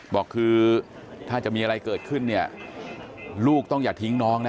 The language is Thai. บอกคือถ้าจะมีอะไรเกิดขึ้นเนี่ยลูกต้องอย่าทิ้งน้องนะ